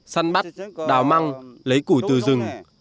săn bắt đào măng lấy củi từ rừng